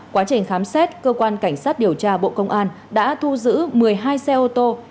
quá trình khám xét cơ quan cảnh sát điều tra bộ công an đã thu giữ một mươi hai co ba